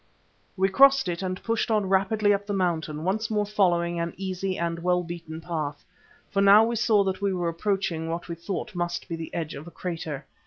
We crossed it and pushed on rapidly up the mountain, once more following an easy and well beaten path, for now we saw that we were approaching what we thought must be the edge of a crater.